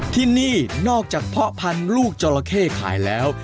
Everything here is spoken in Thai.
ที่นี่นอกจากเพาะพันธุ์ลูกจราเข้ขายแล้ว